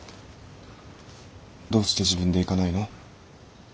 どうして自分で行かないの？